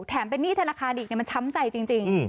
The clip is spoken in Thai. แถมเป็นหนี้ธนาคารอีกมันช้ำใจจริง